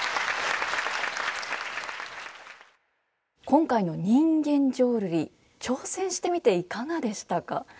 今回の人間浄瑠璃挑戦してみていかがでしたか？